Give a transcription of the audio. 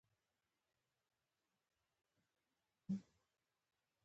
توره غوا شنه واښه خوري.